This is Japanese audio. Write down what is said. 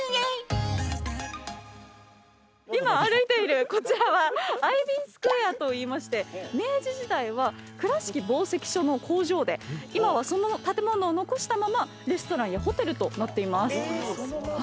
今歩いているこちらはアイビースクエアといいまして明治時代は倉敷紡績所の工場で今はその建物を残したままレストランやホテルとなっています。